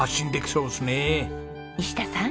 西田さん。